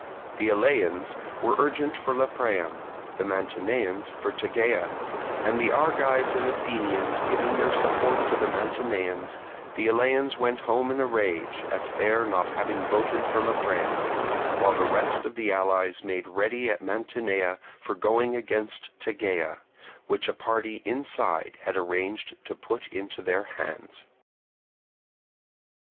The Eleans were urgent for Lepreum; the Mantineans for Tegea; and the Argives and Athenians giving their support to the Mantineans, the Eleans went home in a rage at their not having voted for Lepreum; while the rest of the allies made ready at Mantinea for going against Tegea, which a party inside had arranged to put into their hands.